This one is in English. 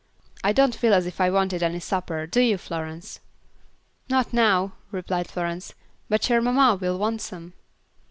"I don't feel as if I wanted any supper, do you, Florence?" "Not now," replied Florence; "but your mamma will want some."